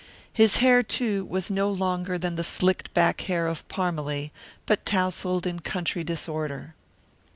His hair, too, was no longer the slicked back hair of Parmalee, but tousled in country disorder.